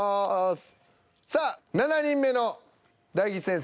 さあ７人目の大吉先生。